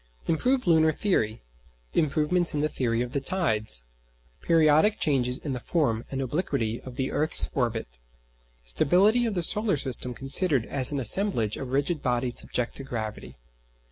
Improved lunar theory. Improvements in the theory of the tides. Periodic changes in the form and obliquity of the earth's orbit. Stability of the solar system considered as an assemblage of rigid bodies subject to gravity.